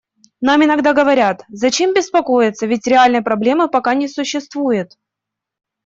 Нам иногда говорят: зачем беспокоиться, ведь реальной проблемы пока не существует.